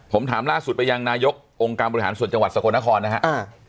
ผมถามล่าสุดไปยังนายกองค์การบริหารส่วนจังหวัดสกลนครนะครับ